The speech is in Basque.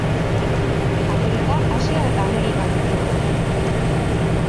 Afrika, Asia eta Amerikan bizi dira.